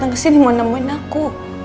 yang kesini mau nemuin aku